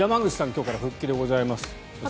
今日から復帰でございます。